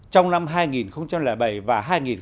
trong năm hai nghìn bảy và hai nghìn tám